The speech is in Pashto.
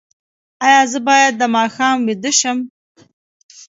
ایا زه باید د ماښام ویده شم؟